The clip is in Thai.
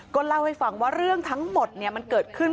ก็เล่าให้ฟังว่าเรื่องทั้งหมดมันเกิดขึ้น